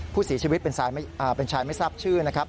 ผู้เสียชีวิตเป็นชายไม่ทราบชื่อนะครับ